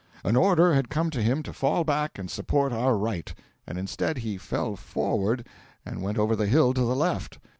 An order had come to him to fall back and support our right; and instead he fell forward and went over the hill to the left.